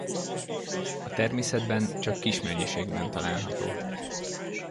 A természetben csak kis mennyiségben található.